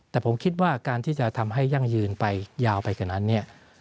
แต่ผมคิดว่าการที่จะทำให้ยั่งยืนไปยาวไปกว่านั้นเนี่ย